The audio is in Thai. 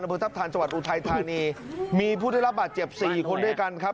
ตะบลทัพทันสวรรค์อุทัยธานีมีผู้ได้รับบาดเจ็บ๔คนด้วยกันครับ